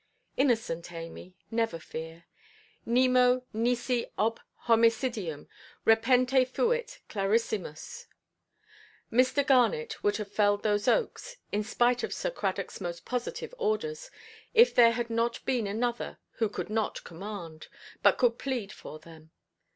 Innocent Amy, never fear. "Nemo, nisi ob homicidium, repente fuit clarissimus." Mr. Garnet would have felled those oaks, in spite of Sir Cradockʼs most positive orders, if there had not been another who could not command, but could plead for them.